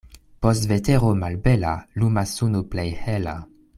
Post vetero malbela lumas suno plej hela.